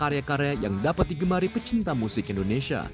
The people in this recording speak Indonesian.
dan juga menghasilkan karya karya yang dapat digemari pecinta musik indonesia